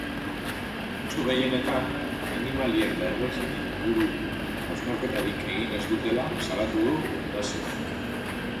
Kasu gehienetan, animalien beharrizanen inguru hausnarketarik egin ez dutela salatu du fundazioak.